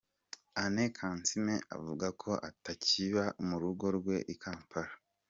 Anne Kansiime avuga ko atakiba mu rugo rwe I Kampala.